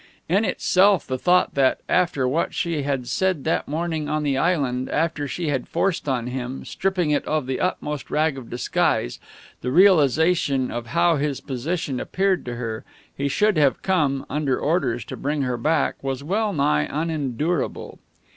In itself the thought that, after what she had said that morning on the island, after she had forced on him, stripping it of the uttermost rag of disguise, the realization of how his position appeared to her, he should have come, under orders, to bring her back, was well nigh unendurable.